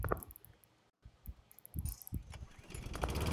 সিনেমায় নায়ক-নায়িকার হাত ধরে যখন গান গাইবে, তখন আকাশ থেকে গমবৃষ্টি হবে।